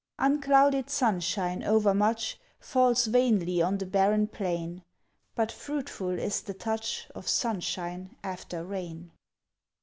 Unclouded sunshine overmuch Falls vainly on the barren plain; But fruitful is the touch Of sunshine after rain!